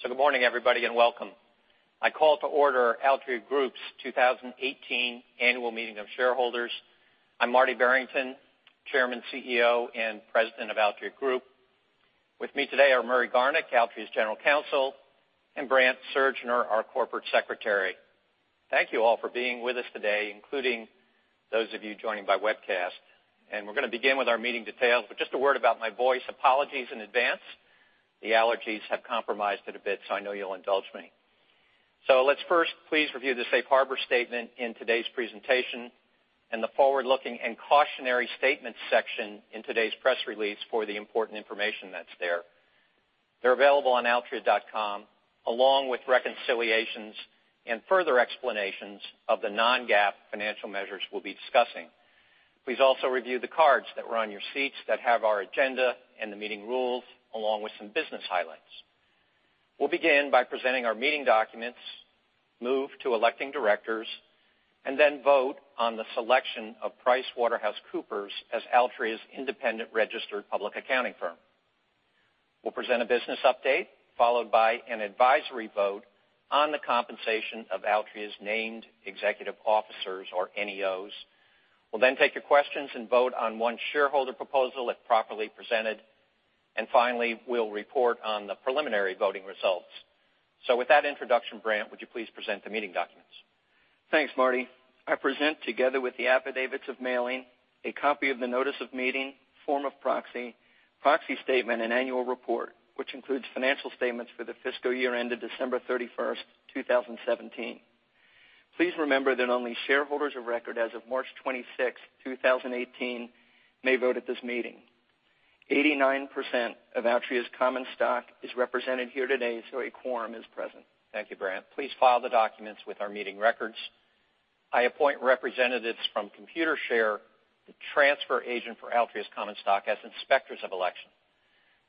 Good morning everybody and welcome. I call to order Altria Group's 2018 Annual Meeting of Shareholders. I'm Marty Barrington, Chairman, CEO, and President of Altria Group. With me today are Murray Garnick, Altria's General Counsel, and Brant Surgner, our Corporate Secretary. Thank you all for being with us today, including those of you joining by webcast. We're going to begin with our meeting details. Just a word about my voice, apologies in advance. The allergies have compromised it a bit, so I know you'll indulge me. Let's first please review the safe harbor statement in today's presentation, and the forward-looking and cautionary statements section in today's press release for the important information that's there. They're available on altria.com, along with reconciliations and further explanations of the non-GAAP financial measures we'll be discussing. Please also review the cards that were on your seats that have our agenda and the meeting rules, along with some business highlights. We'll begin by presenting our meeting documents, move to electing directors, and vote on the selection of PricewaterhouseCoopers as Altria's independent registered public accounting firm. We'll present a business update, followed by an advisory vote on the compensation of Altria's Named Executive Officers, or NEOs. We'll take your questions and vote on one shareholder proposal, if properly presented. Finally, we'll report on the preliminary voting results. With that introduction, Brant, would you please present the meeting documents? Thanks, Marty. I present, together with the affidavits of mailing, a copy of the notice of meeting, form of proxy statement, and annual report, which includes financial statements for the fiscal year ended December 31st, 2017. Please remember that only shareholders of record as of March 26th, 2018, may vote at this meeting. 89% of Altria's common stock is represented here today, so a quorum is present. Thank you, Brant. Please file the documents with our meeting records. I appoint representatives from Computershare, the transfer agent for Altria's common stock, as inspectors of election.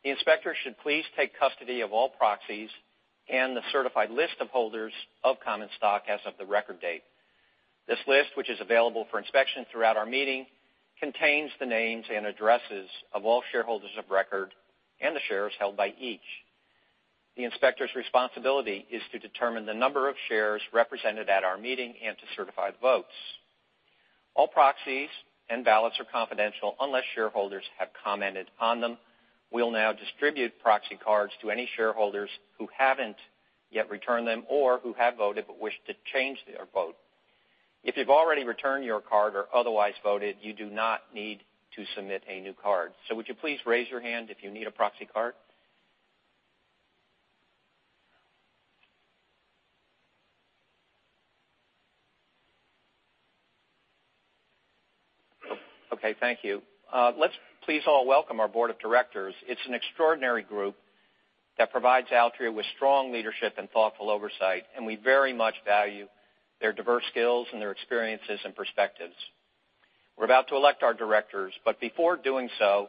The inspectors should please take custody of all proxies and the certified list of holders of common stock as of the record date. This list, which is available for inspection throughout our meeting, contains the names and addresses of all shareholders of record and the shares held by each. The inspector's responsibility is to determine the number of shares represented at our meeting and to certify the votes. All proxies and ballots are confidential unless shareholders have commented on them. We'll now distribute proxy cards to any shareholders who haven't yet returned them or who have voted but wish to change their vote. If you've already returned your card or otherwise voted, you do not need to submit a new card. Would you please raise your hand if you need a proxy card? Okay, thank you. Let's please all welcome our board of directors. It's an extraordinary group that provides Altria with strong leadership and thoughtful oversight, and we very much value their diverse skills and their experiences and perspectives. We're about to elect our directors, but before doing so,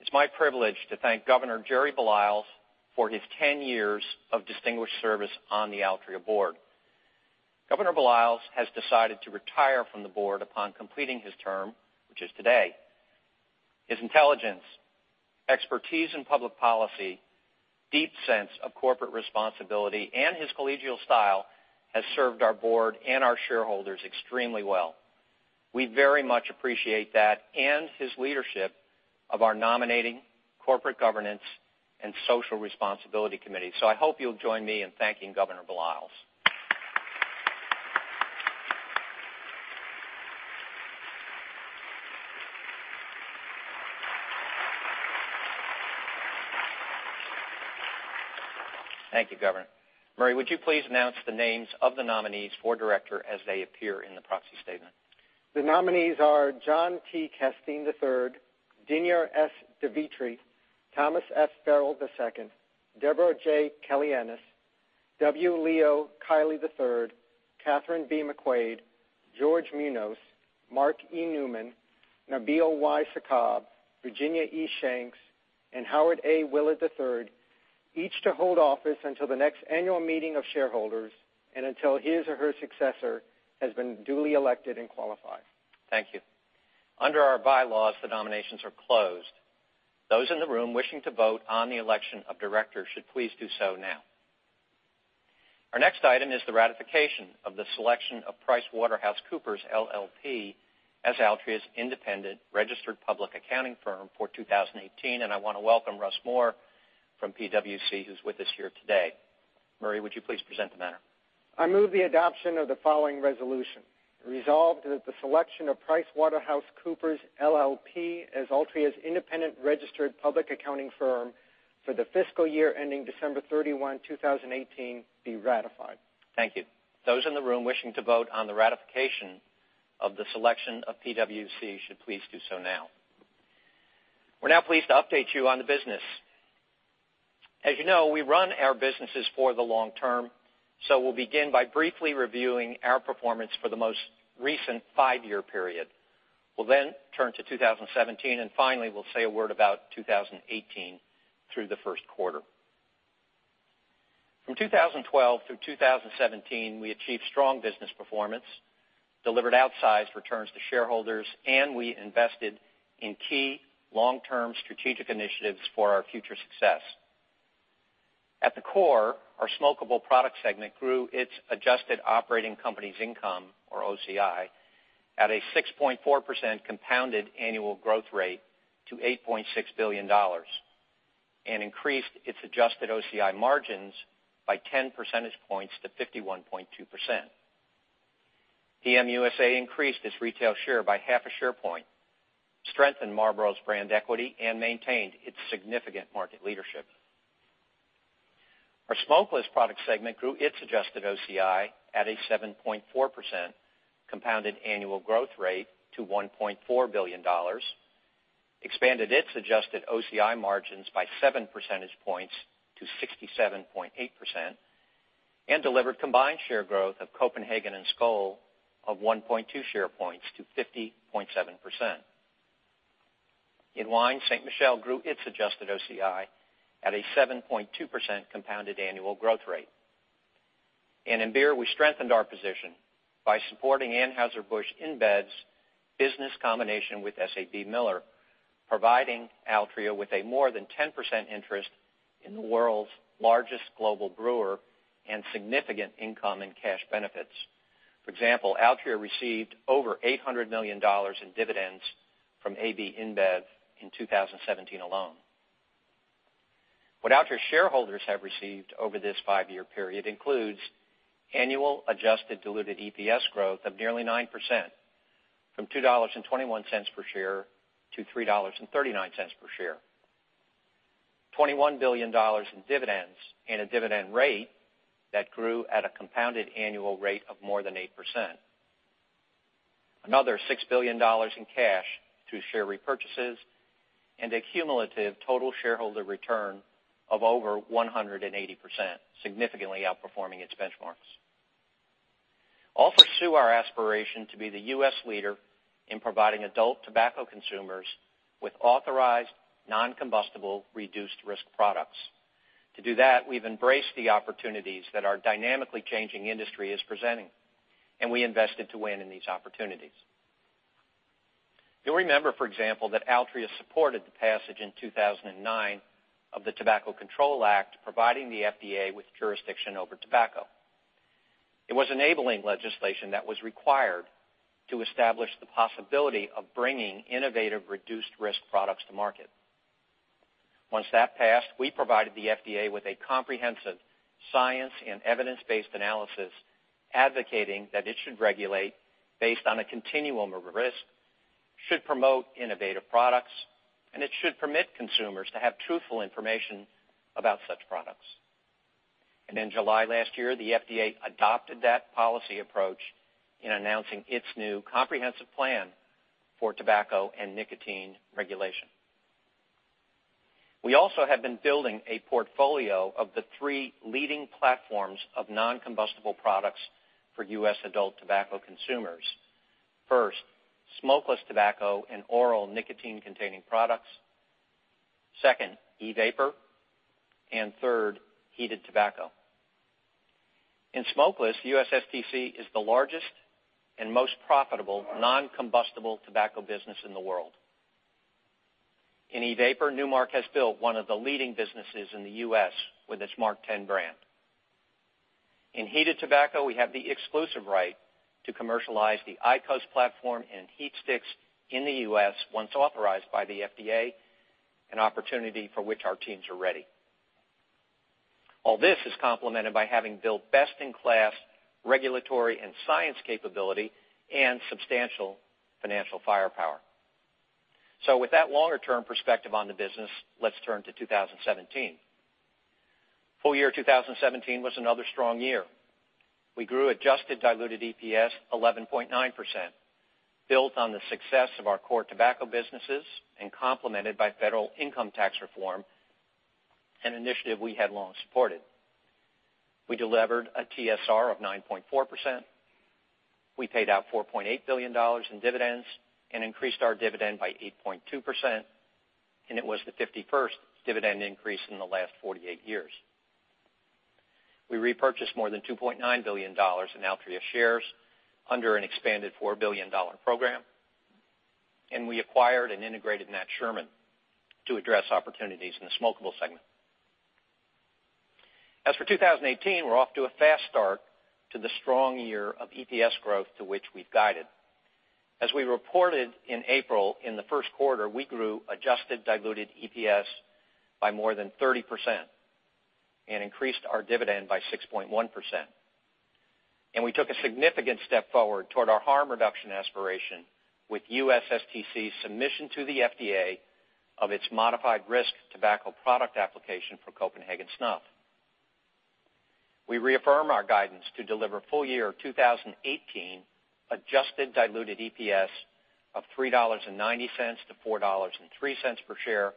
it's my privilege to thank Governor Jerry Baliles for his 10 years of distinguished service on the Altria board. Governor Baliles has decided to retire from the board upon completing his term, which is today. His intelligence, expertise in public policy, deep sense of corporate responsibility, and his collegial style has served our board and our shareholders extremely well. We very much appreciate that and his leadership of our nominating corporate governance and social responsibility committee. I hope you'll join me in thanking Governor Baliles. Thank you, Governor. Murray, would you please announce the names of the nominees for director as they appear in the proxy statement? The nominees are John T. Casteen III, Dinyar S. Devitre, Thomas F. Farrell II, Debra J. Kelly-Ennis, W. Leo Kiely III, Kathryn B. McQuade, George Muñoz, Mark E. Newman, Nabil Y. Sakkab, Virginia E. Shanks, and Howard A. Willard III, each to hold office until the next annual meeting of shareholders and until his or her successor has been duly elected and qualified. Thank you. Under our bylaws, the nominations are closed. Those in the room wishing to vote on the election of directors should please do so now. Our next item is the ratification of the selection of PricewaterhouseCoopers LLP as Altria's independent registered public accounting firm for 2018. I want to welcome Russ Moore from PwC, who's with us here today. Murray, would you please present the matter? I move the adoption of the following resolution. Resolved that the selection of PricewaterhouseCoopers LLP as Altria's independent registered public accounting firm for the fiscal year ending December 31, 2018, be ratified. Thank you. Those in the room wishing to vote on the ratification of the selection of PwC should please do so now. We're now pleased to update you on the business. As you know, we run our businesses for the long term. We'll begin by briefly reviewing our performance for the most recent five-year period. We'll then turn to 2017. Finally, we'll say a word about 2018 through the first quarter. From 2012 through 2017, we achieved strong business performance. Delivered outsized returns to shareholders, and we invested in key long-term strategic initiatives for our future success. At the core, our smokable product segment grew its adjusted operating company's income, or OCI, at a 6.4% compounded annual growth rate to $8.6 billion, and increased its adjusted OCI margins by 10 percentage points to 51.2%. PM USA increased its retail share by half a share point, strengthened Marlboro's brand equity, and maintained its significant market leadership. Our smokeless product segment grew its adjusted OCI at a 7.4% compounded annual growth rate to $1.4 billion, expanded its adjusted OCI margins by 7 percentage points to 67.8%, and delivered combined share growth of Copenhagen and Skoal of 1.2 share points to 50.7%. In wine, Ste. Michelle grew its adjusted OCI at a 7.2% compounded annual growth rate. In beer, we strengthened our position by supporting Anheuser-Busch InBev's business combination with SABMiller, providing Altria with a more than 10% interest in the world's largest global brewer and significant income and cash benefits. For example, Altria received over $800 million in dividends from AB InBev in 2017 alone. What Altria shareholders have received over this five-year period includes annual adjusted diluted EPS growth of nearly 9%, from $2.21 per share to $3.39 per share, $21 billion in dividends, and a dividend rate that grew at a compounded annual rate of more than 8%. Another $6 billion in cash through share repurchases, and a cumulative total shareholder return of over 180%, significantly outperforming its benchmarks. All pursue our aspiration to be the U.S. leader in providing adult tobacco consumers with authorized non-combustible reduced-risk products. To do that, we've embraced the opportunities that our dynamically changing industry is presenting, and we invested to win in these opportunities. You'll remember, for example, that Altria supported the passage in 2009 of the Tobacco Control Act, providing the FDA with jurisdiction over tobacco. It was enabling legislation that was required to establish the possibility of bringing innovative reduced-risk products to market. Once that passed, we provided the FDA with a comprehensive science and evidence-based analysis advocating that it should regulate based on a continuum of risk, should promote innovative products, and it should permit consumers to have truthful information about such products. In July last year, the FDA adopted that policy approach in announcing its new comprehensive plan for tobacco and nicotine regulation. We also have been building a portfolio of the three leading platforms of non-combustible products for U.S. adult tobacco consumers. First, smokeless tobacco and oral nicotine-containing products. Second, e-vapor, and third, heated tobacco. In smokeless, USSTC is the largest and most profitable non-combustible tobacco business in the world. In e-vapor, Nu Mark has built one of the leading businesses in the U.S. with its MarkTen brand. In heated tobacco, we have the exclusive right to commercialize the IQOS platform and HeatSticks in the U.S. once authorized by the FDA, an opportunity for which our teams are ready. All this is complemented by having built best-in-class regulatory and science capability and substantial financial firepower. With that longer-term perspective on the business, let's turn to 2017. Full year 2017 was another strong year. We grew adjusted diluted EPS 11.9%, built on the success of our core tobacco businesses and complemented by federal income tax reform, an initiative we had long supported. We delivered a TSR of 9.4%. We paid out $4.8 billion in dividends and increased our dividend by 8.2%, and it was the 51st dividend increase in the last 48 years. We repurchased more than $2.9 billion in Altria shares under an expanded $4 billion program. We acquired and integrated Nat Sherman to address opportunities in the smokable segment. As for 2018, we're off to a fast start to the strong year of EPS growth to which we've guided. As we reported in April, in the first quarter, we grew adjusted diluted EPS by more than 30% and increased our dividend by 6.1%. We took a significant step forward toward our harm reduction aspiration with USSTC's submission to the FDA of its Modified Risk Tobacco Product application for Copenhagen Snuff. We reaffirm our guidance to deliver full year 2018 adjusted diluted EPS of $3.90 to $4.03 per share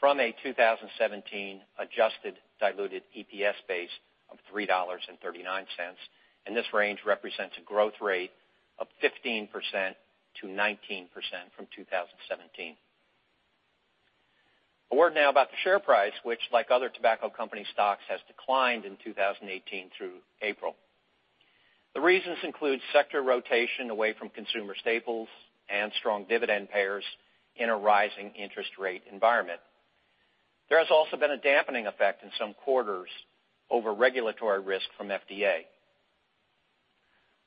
from a 2017 adjusted diluted EPS base of $3.39. This range represents a growth rate of 15%-19% from 2017. A word now about the share price, which like other tobacco company stocks, has declined in 2018 through April. The reasons include sector rotation away from consumer staples and strong dividend payers in a rising interest rate environment. There has also been a dampening effect in some quarters over regulatory risk from FDA.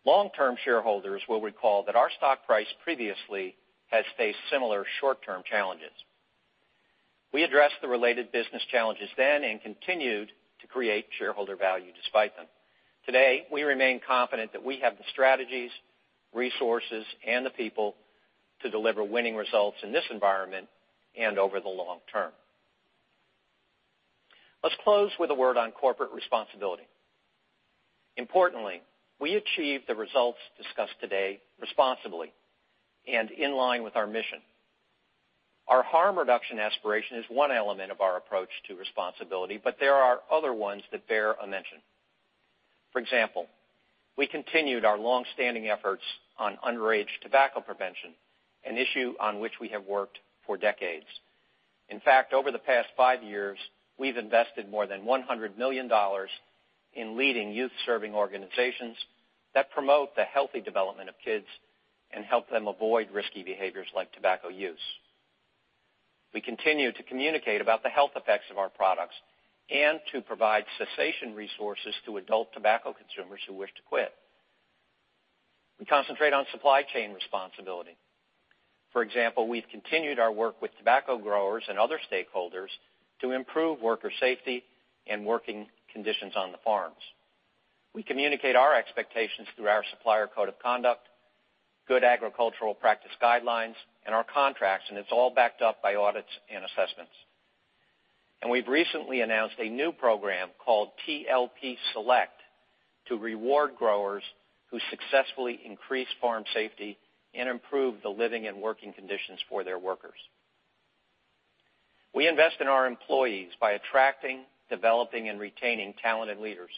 Long-term shareholders will recall that our stock price previously has faced similar short-term challenges. We addressed the related business challenges then and continued to create shareholder value despite them. Today, we remain confident that we have the strategies, resources, and the people to deliver winning results in this environment and over the long term. Let's close with a word on corporate responsibility. Importantly, we achieved the results discussed today responsibly and in line with our mission. Our harm reduction aspiration is one element of our approach to responsibility, but there are other ones that bear a mention. For example, we continued our longstanding efforts on underage tobacco prevention, an issue on which we have worked for decades. In fact, over the past five years, we've invested more than $100 million in leading youth-serving organizations that promote the healthy development of kids and help them avoid risky behaviors like tobacco use. We continue to communicate about the health effects of our products and to provide cessation resources to adult tobacco consumers who wish to quit. We concentrate on supply chain responsibility. For example, we've continued our work with tobacco growers and other stakeholders to improve worker safety and working conditions on the farms. We communicate our expectations through our supplier code of conduct, good agricultural practice guidelines, and our contracts. It's all backed up by audits and assessments. We've recently announced a new program called TLP Select to reward growers who successfully increase farm safety and improve the living and working conditions for their workers. We invest in our employees by attracting, developing, and retaining talented leaders,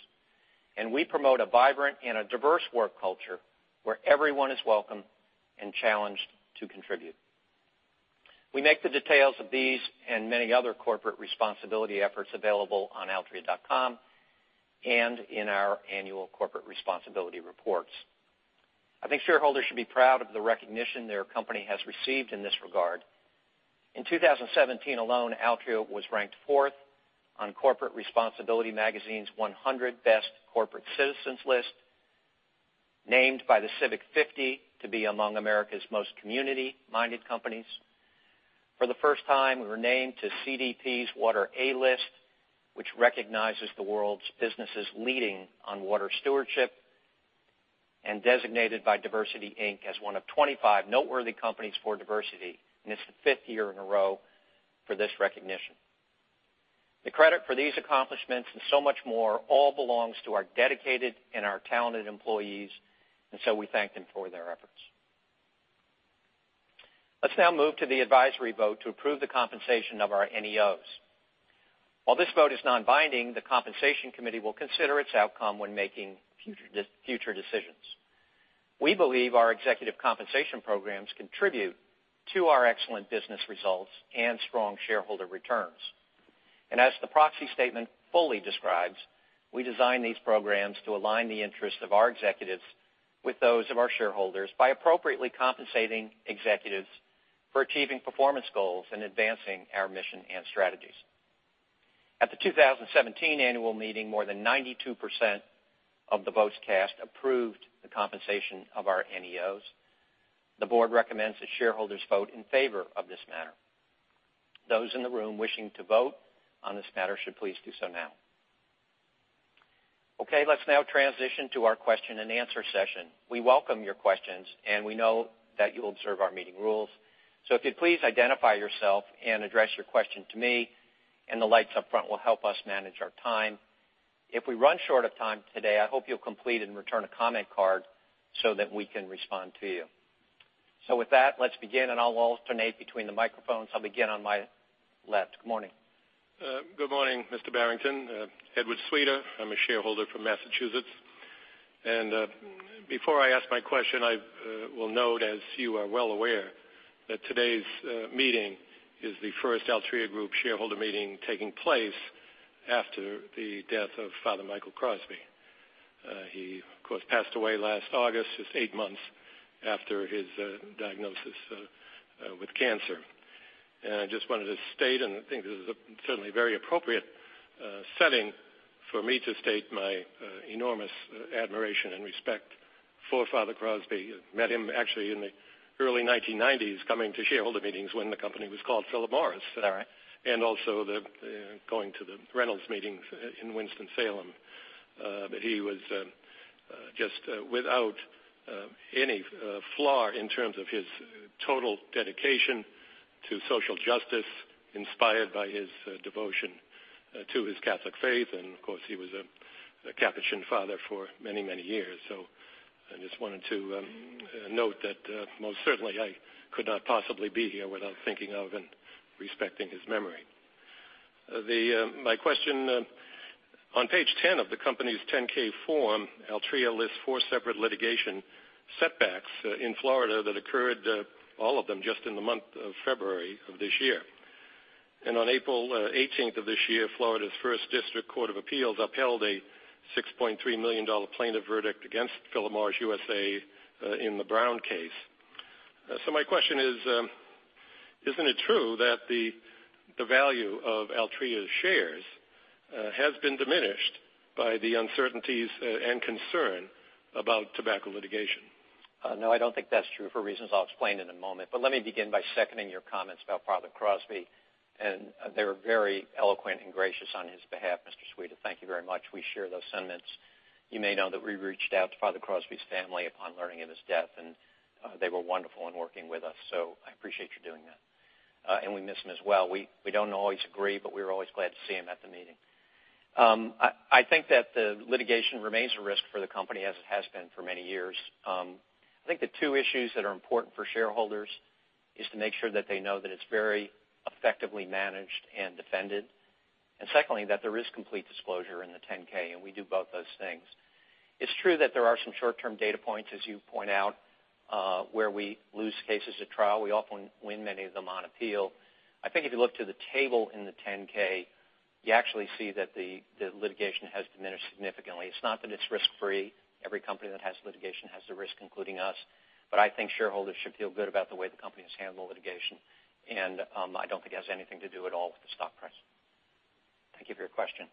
and we promote a vibrant and a diverse work culture where everyone is welcome and challenged to contribute. We make the details of these and many other corporate responsibility efforts available on altria.com and in our annual corporate responsibility reports. I think shareholders should be proud of the recognition their company has received in this regard. In 2017 alone, Altria was ranked fourth on Corporate Responsibility Magazine's 100 Best Corporate Citizens list, named by The Civic 50 to be among America's most community-minded companies. For the first time, we were named to CDP's Water A List, which recognizes the world's businesses leading on water stewardship. Designated by DiversityInc as one of 25 noteworthy companies for diversity, it's the fifth year in a row for this recognition. The credit for these accomplishments and so much more all belongs to our dedicated and our talented employees. We thank them for their efforts. Let's now move to the advisory vote to approve the compensation of our NEOs. While this vote is non-binding, the compensation committee will consider its outcome when making future decisions. We believe our executive compensation programs contribute to our excellent business results and strong shareholder returns. As the proxy statement fully describes, we design these programs to align the interests of our executives with those of our shareholders by appropriately compensating executives for achieving performance goals and advancing our mission and strategies. At the 2017 annual meeting, more than 92% of the votes cast approved the compensation of our NEOs. The board recommends that shareholders vote in favor of this matter. Those in the room wishing to vote on this matter should please do so now. Okay. Let's now transition to our question and answer session. We welcome your questions, and we know that you'll observe our meeting rules. If you'd please identify yourself and address your question to me, the lights up front will help us manage our time. If we run short of time today, I hope you'll complete and return a comment card so that we can respond to you. With that, let's begin. I'll alternate between the microphones. I'll begin on my left. Good morning. Good morning, Mr. Barrington. Edward Sweeter. I am a shareholder from Massachusetts. Before I ask my question, I will note, as you are well aware, that today's meeting is the first Altria Group shareholder meeting taking place after the death of Father Michael Crosby. He, of course, passed away last August, just eight months after his diagnosis with cancer. I just wanted to state, and I think this is a certainly very appropriate setting for me to state my enormous admiration and respect for Father Crosby. Met him actually in the early 1990s coming to shareholder meetings when the company was called Philip Morris. All right. Also going to the Reynolds meetings in Winston-Salem. He was just without any flaw in terms of his total dedication to social justice, inspired by his devotion to his Catholic faith. Of course, he was a Capuchin father for many years. I just wanted to note that most certainly I could not possibly be here without thinking of and respecting his memory. My question, on page 10 of the company's 10-K form, Altria lists four separate litigation setbacks in Florida that occurred, all of them just in the month of February of this year. On April 18th of this year, Florida's First District Court of Appeal upheld a $6.3 million plaintiff verdict against Philip Morris USA in the Brown case. My question is, isn't it true that the value of Altria's shares has been diminished by the uncertainties and concern about tobacco litigation? No, I don't think that's true, for reasons I'll explain in a moment. Let me begin by seconding your comments about Father Michael Crosby, and they were very eloquent and gracious on his behalf, Mr. Sweeter. Thank you very much. We share those sentiments. You may know that we reached out to Father Michael Crosby's family upon learning of his death, and they were wonderful in working with us. I appreciate you doing that. We miss him as well. We don't always agree, we are always glad to see him at the meeting. I think that the litigation remains a risk for the company as it has been for many years. I think the two issues that are important for shareholders is to make sure that they know that it's very effectively managed and defended, secondly, that there is complete disclosure in the 10-K, we do both those things. It's true that there are some short-term data points, as you point out, where we lose cases at trial. We often win many of them on appeal. I think if you look to the table in the 10-K, you actually see that the litigation has diminished significantly. It's not that it's risk-free. Every company that has litigation has the risk, including us, I think shareholders should feel good about the way the company has handled litigation, I don't think it has anything to do at all with the stock price. Thank you for your question.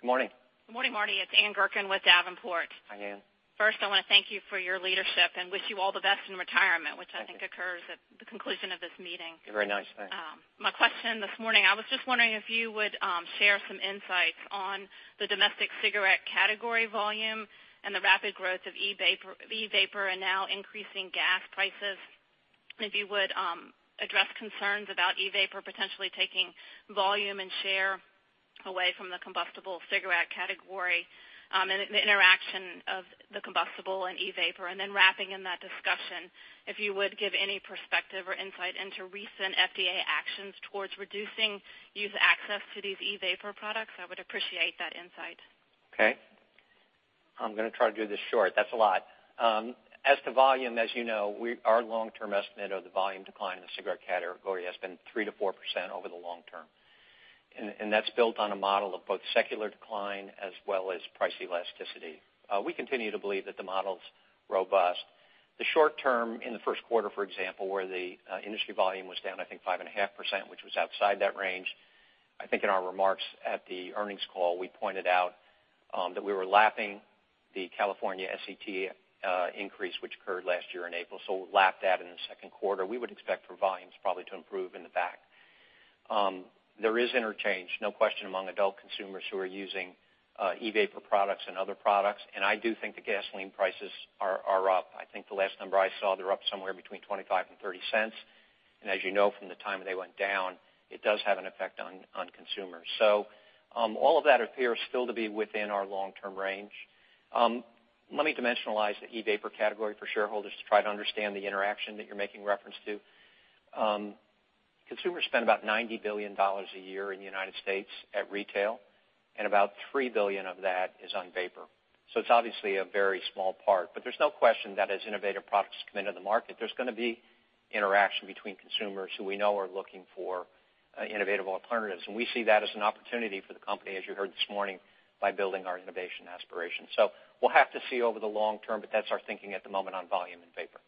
Good morning. Good morning, Marty. It's Anne Gerken with Davenport. Hi, Anne. First, I want to thank you for your leadership and wish you all the best in retirement, which I think occurs at the conclusion of this meeting. You're very nice. Thanks. My question this morning, I was just wondering if you would share some insights on the domestic cigarette category volume and the rapid growth of e-vapor and now increasing gas prices. If you would address concerns about e-vapor potentially taking volume and share away from the combustible cigarette category and the interaction of the combustible and e-vapor, and then wrapping in that discussion, if you would give any perspective or insight into recent FDA actions towards reducing youth access to these e-vapor products, I would appreciate that insight. Okay. I'm going to try to do this short. That's a lot. As to volume, as you know, our long-term estimate of the volume decline in the cigarette category has been 3%-4% over the long term. That's built on a model of both secular decline as well as price elasticity. We continue to believe that the model's robust. The short term in the first quarter, for example, where the industry volume was down, I think, 5.5%, which was outside that range. I think in our remarks at the earnings call, we pointed out that we were lapping the California SET increase, which occurred last year in April. We'll lap that in the second quarter. We would expect for volumes probably to improve in the back. There is interchange, no question, among adult consumers who are using e-vapor products and other products. I do think the gasoline prices are up. I think the last number I saw, they're up somewhere between $0.25 and $0.30. As you know from the time they went down, it does have an effect on consumers. All of that appears still to be within our long-term range. Let me dimensionalize the e-vapor category for shareholders to try to understand the interaction that you're making reference to. Consumers spend about $90 billion a year in the United States at retail. About $3 billion of that is on vapor. It's obviously a very small part. There's no question that as innovative products come into the market, there's going to be interaction between consumers who we know are looking for innovative alternatives. We see that as an opportunity for the company, as you heard this morning, by building our innovation aspiration. We'll have to see over the long term. That's our thinking at the moment on volume and vapor.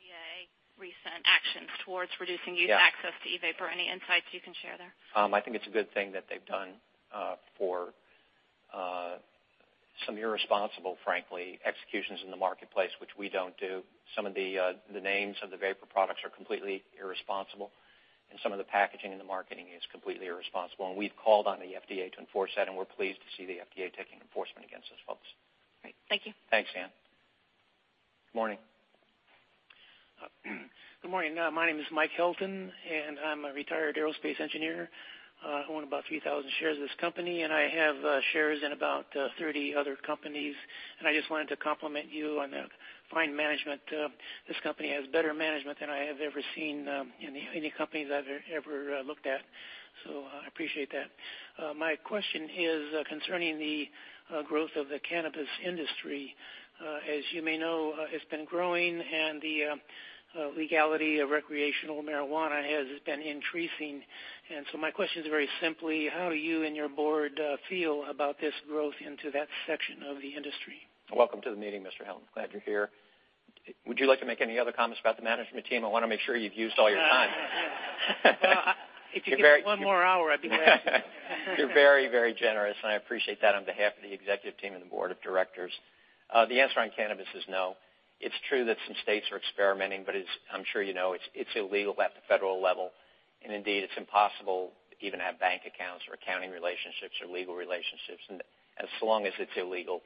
FDA recent actions towards reducing youth access to e-vapor. Any insights you can share there? I think it's a good thing that they've done for some irresponsible, frankly, executions in the marketplace, which we don't do. Some of the names of the vapor products are completely irresponsible. Some of the packaging and the marketing is completely irresponsible. We've called on the FDA to enforce that. We're pleased to see the FDA taking enforcement against those folks. Great. Thank you. Thanks, Anne. Good morning. Good morning. My name is Mike Helton, and I'm a retired aerospace engineer. I own about 3,000 shares of this company, and I have shares in about 30 other companies. I just wanted to compliment you on the fine management. This company has better management than I have ever seen in any companies I've ever looked at. I appreciate that. My question is concerning the growth of the cannabis industry. As you may know, it's been growing and the legality of recreational marijuana has been increasing. My question is very simply, how do you and your board feel about this growth into that section of the industry? Welcome to the meeting, Mr. Helton. Glad you're here. Would you like to make any other comments about the management team? I want to make sure you've used all your time. If you give me one more hour, I'd be happy. You're very, very generous, and I appreciate that on behalf of the executive team and the board of directors. The answer on cannabis is no. It's true that some states are experimenting, but I'm sure you know it's illegal at the federal level. Indeed, it's impossible to even have bank accounts or accounting relationships or legal relationships. As long as it's illegal,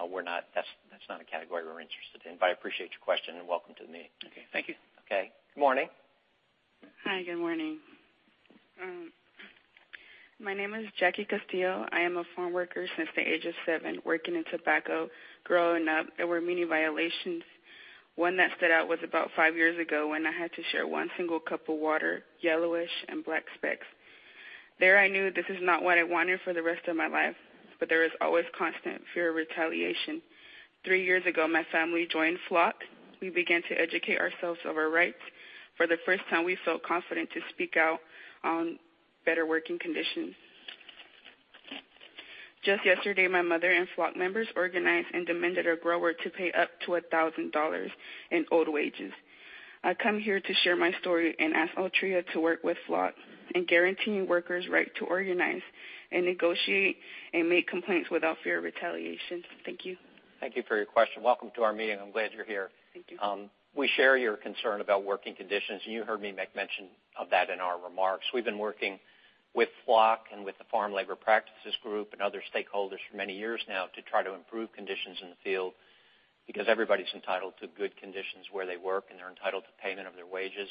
that's not a category we're interested in. I appreciate your question, and welcome to the meeting. Okay. Thank you. Okay. Good morning. Hi, good morning. My name is Jackie Castillo. I am a farm worker since the age of seven, working in tobacco. Growing up, there were many violations. One that stood out was about five years ago when I had to share one single cup of water, yellowish and black specks. There I knew this is not what I wanted for the rest of my life, but there was always constant fear of retaliation. Three years ago, my family joined FLOC. We began to educate ourselves of our rights. For the first time, we felt confident to speak out on better working conditions. Just yesterday, my mother and FLOC members organized and demanded a grower to pay up to $1,000 in owed wages. I come here to share my story and ask Altria to work with FLOC and guarantee workers' right to organize and negotiate and make complaints without fear of retaliation. Thank you. Thank you for your question. Welcome to our meeting. I'm glad you're here. Thank you. We share your concern about working conditions. You heard me make mention of that in our remarks. We've been working with FLOC and with the Farm Labor Practices Group and other stakeholders for many years now to try to improve conditions in the field because everybody's entitled to good conditions where they work, and they're entitled to payment of their wages.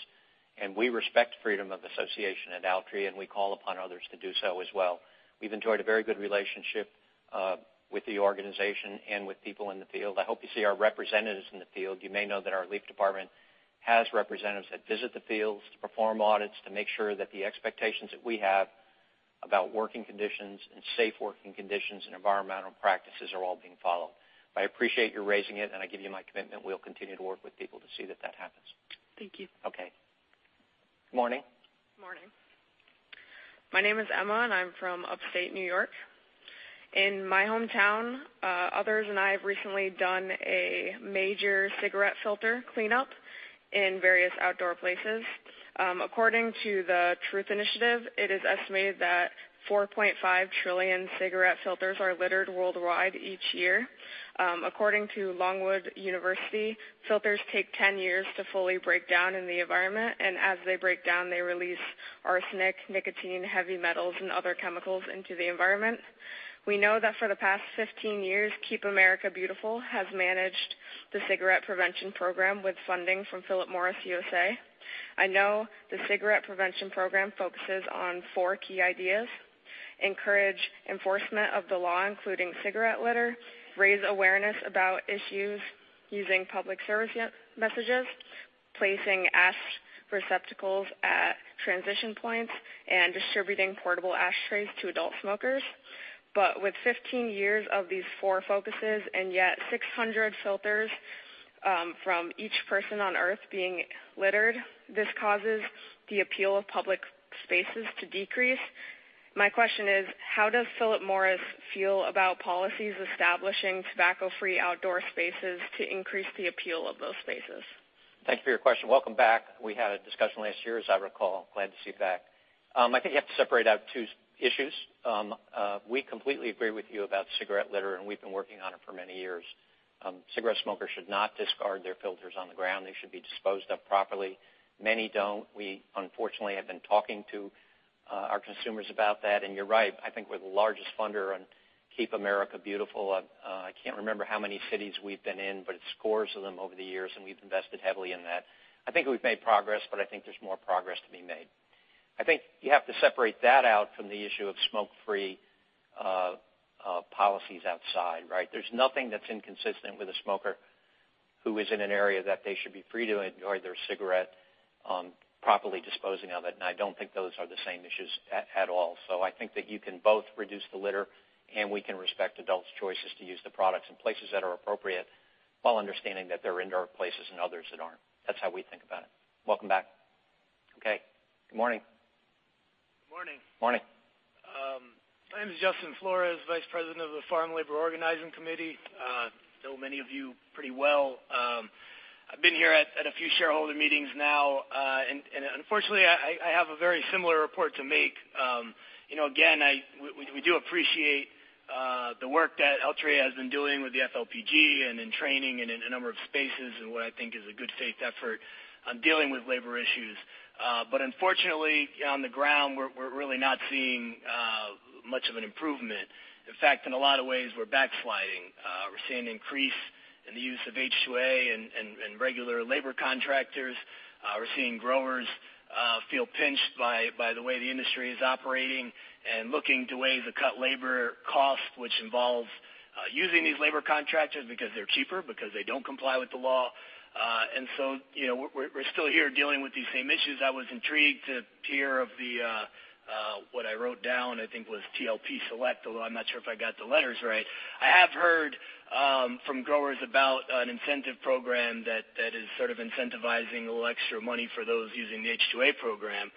We respect freedom of association at Altria, and we call upon others to do so as well. We've enjoyed a very good relationship with the organization and with people in the field. I hope you see our representatives in the field. You may know that our leaf department has representatives that visit the fields to perform audits to make sure that the expectations that we have about working conditions and safe working conditions and environmental practices are all being followed. I appreciate your raising it. I give you my commitment. We'll continue to work with people to see that that happens. Thank you. Okay. Good morning. Good morning. My name is Emma, and I'm from Upstate New York. In my hometown, others and I have recently done a major cigarette filter cleanup in various outdoor places. According to the Truth Initiative, it is estimated that 4.5 trillion cigarette filters are littered worldwide each year. According to Longwood University, filters take 10 years to fully break down in the environment, and as they break down, they release arsenic, nicotine, heavy metals, and other chemicals into the environment. We know that for the past 15 years, Keep America Beautiful has managed the Cigarette Litter Prevention Program with funding from Philip Morris USA. I know the Cigarette Litter Prevention Program focuses on four key ideas: encourage enforcement of the law, including cigarette litter; raise awareness about issues using public service messages; placing ash receptacles at transition points; and distributing portable ashtrays to adult smokers. With 15 years of these four focuses and yet 600 filters from each person on Earth being littered, this causes the appeal of public spaces to decrease. My question is, how does Philip Morris feel about policies establishing tobacco-free outdoor spaces to increase the appeal of those spaces? Thank you for your question. Welcome back. We had a discussion last year, as I recall. Glad to see you back. I think you have to separate out two issues. We completely agree with you about cigarette litter, and we've been working on it for many years. Cigarette smokers should not discard their filters on the ground. They should be disposed of properly. Many don't. We unfortunately have been talking to our consumers about that. You're right, I think we're the largest funder on Keep America Beautiful. I can't remember how many cities we've been in, but it's scores of them over the years, and we've invested heavily in that. I think we've made progress, but I think there's more progress to be made. I think you have to separate that out from the issue of smoke-free policies outside, right? There's nothing that's inconsistent with a smoker who is in an area that they should be free to enjoy their cigarette, properly disposing of it. I don't think those are the same issues at all. I think that you can both reduce the litter, and we can respect adults' choices to use the products in places that are appropriate while understanding that there are indoor places and others that aren't. That's how we think about it. Welcome back. Okay. Good morning. Good morning. Morning. My name is Justin Flores, Vice President of the Farm Labor Organizing Committee. I know many of you pretty well. I've been here at a few shareholder meetings now. Unfortunately, I have a very similar report to make. Again, we do appreciate the work that Altria has been doing with the FLPG and in training and in a number of spaces in what I think is a good faith effort on dealing with labor issues. Unfortunately, on the ground, we're really not seeing much of an improvement. In fact, in a lot of ways, we're backsliding. We're seeing an increase in the use of H-2A and regular labor contractors. We're seeing growers feel pinched by the way the industry is operating and looking to ways to cut labor cost, which involves using these labor contractors because they're cheaper, because they don't comply with the law. We're still here dealing with these same issues. I was intrigued to hear of the, what I wrote down, I think was TLP Select, although I'm not sure if I got the letters right. I have heard from growers about an incentive program that is sort of incentivizing a little extra money for those using the H-2A program,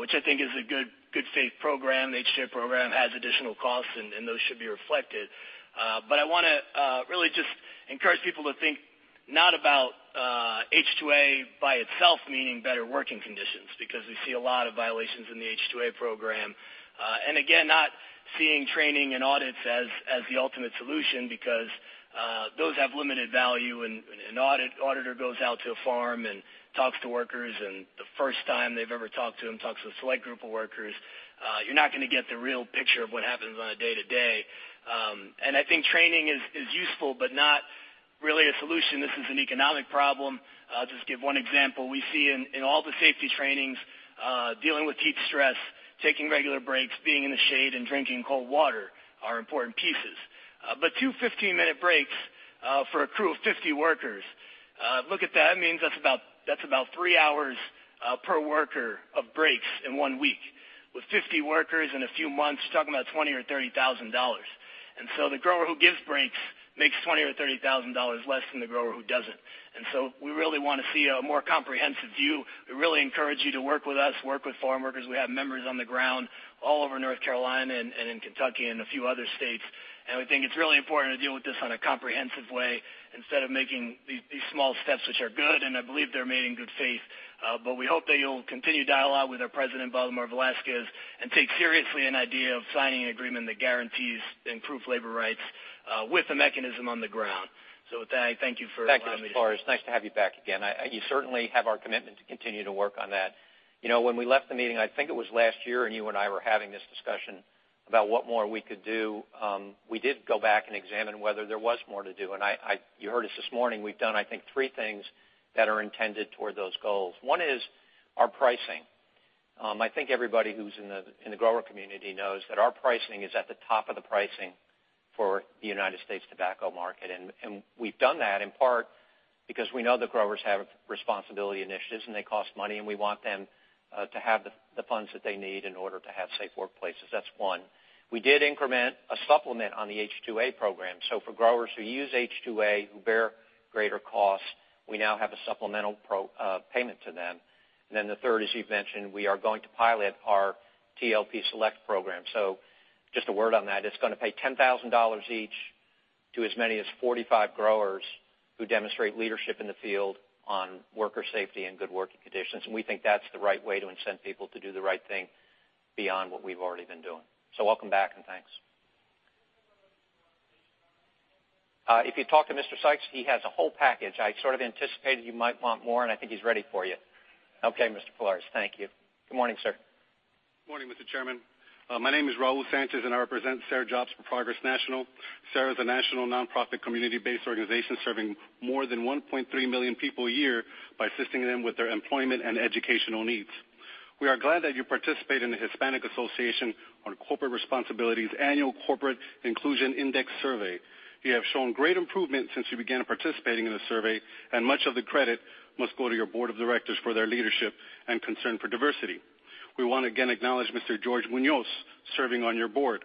which I think is a good faith program. The H-2A program has additional costs, and those should be reflected. I want to really just encourage people to think not about H-2A by itself meaning better working conditions because we see a lot of violations in the H-2A program. Again, not seeing training and audits as the ultimate solution because those have limited value. An auditor goes out to a farm and talks to workers, and the first time they've ever talked to them, talks to a select group of workers. You're not going to get the real picture of what happens on a day to day. I think training is useful, but not really a solution. This is an economic problem. I'll just give one example. We see in all the safety trainings, dealing with heat stress, taking regular breaks, being in the shade, and drinking cold water are important pieces. Two 15-minute breaks for a crew of 50 workers. Look at that, means that's about three hours per worker of breaks in one week. With 50 workers in a few months, you're talking about $20,000 or $30,000. The grower who gives breaks makes $20,000 or $30,000 less than the grower who doesn't. We really want to see a more comprehensive view. We really encourage you to work with us, work with farm workers. We have members on the ground all over North Carolina and in Kentucky and a few other states. We think it's really important to deal with this in a comprehensive way instead of making these small steps, which are good, and I believe they're made in good faith. We hope that you'll continue dialogue with our president, Baldemar Velasquez, and take seriously an idea of signing an agreement that guarantees improved labor rights with a mechanism on the ground. With that, I thank you for allowing me to. Thank you, Mr. Flores. Nice to have you back again. You certainly have our commitment to continue to work on that. When we left the meeting, I think it was last year, and you and I were having this discussion about what more we could do. We did go back and examine whether there was more to do. You heard us this morning. We've done, I think, three things that are intended toward those goals. One is our pricing. I think everybody who's in the grower community knows that our pricing is at the top of the pricing for the U.S. tobacco market. We've done that in part because we know the growers have responsibility initiatives, and they cost money, and we want them to have the funds that they need in order to have safe workplaces. That's one. We did increment a supplement on the H-2A program. For growers who use H-2A, who bear greater costs, we now have a supplemental payment to them. The third, as you've mentioned, we are going to pilot our TLP Select Program. Just a word on that. It's going to pay $10,000 each to as many as 45 growers who demonstrate leadership in the field on worker safety and good working conditions. We think that's the right way to incent people to do the right thing beyond what we've already been doing. Welcome back, and thanks. If you talk to Mr. Sykes, he has a whole package. I anticipated you might want more, and I think he's ready for you. Mr. Flores. Thank you. Good morning, sir. Good morning, Mr. Chairman. My name is Raul Sanchez, and I represent SER Jobs for Progress National. SER is a national nonprofit community-based organization serving more than 1.3 million people a year by assisting them with their employment and educational needs. We are glad that you participate in the Hispanic Association on Corporate Responsibility's annual Corporate Inclusion Index Survey. You have shown great improvement since you began participating in the survey, and much of the credit must go to your board of directors for their leadership and concern for diversity. We want to again acknowledge Mr. George Muñoz serving on your board.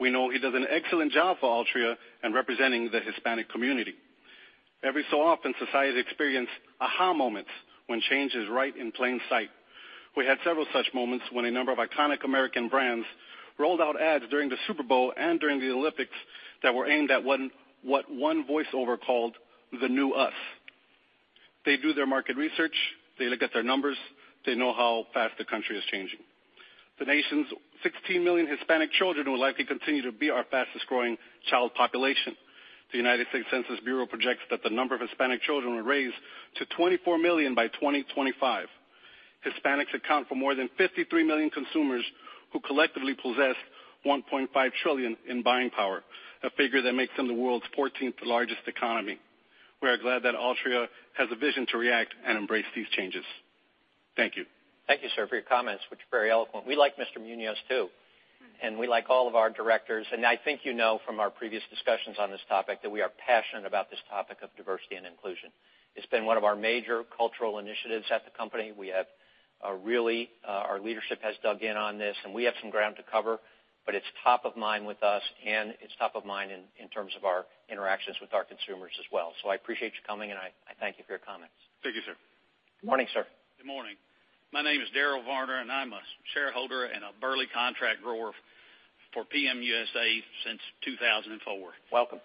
We know he does an excellent job for Altria in representing the Hispanic community. Every so often, societies experience aha moments when change is right in plain sight. We had several such moments when a number of iconic American brands rolled out ads during the Super Bowl and during the Olympics that were aimed at what one voiceover called the new us. They do their market research. They look at their numbers. They know how fast the country is changing. The nation's 16 million Hispanic children will likely continue to be our fastest-growing child population. The United States Census Bureau projects that the number of Hispanic children will raise to 24 million by 2025. Hispanics account for more than 53 million consumers who collectively possess $1.5 trillion in buying power, a figure that makes them the world's 14th largest economy. We are glad that Altria has a vision to react and embrace these changes. Thank you. Thank you, sir, for your comments, which are very eloquent. We like Mr. Muñoz, too. We like all of our directors. I think you know from our previous discussions on this topic that we are passionate about this topic of diversity and inclusion. It's been one of our major cultural initiatives at the company. Our leadership has dug in on this, we have some ground to cover, but it's top of mind with us, it's top of mind in terms of our interactions with our consumers as well. I appreciate you coming, and I thank you for your comments. Thank you, sir. Morning, sir. Good morning. My name is Darryl Varner, and I'm a shareholder and a Burley contract grower for PM USA since 2004. Welcome.